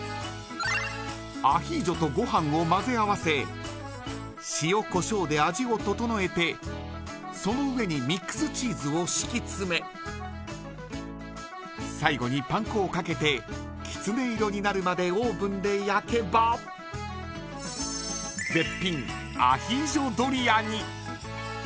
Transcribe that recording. アヒージョとご飯を混ぜ合わせ塩こしょうで味を整えてその上にミックスチーズを敷き詰め最後にパン粉をかけてきつね色になるまでオーブンで焼けば絶品、アヒージョドリアに。